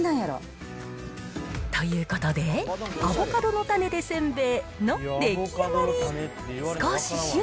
ということで、アボカドの種でせんべいの出来上がり。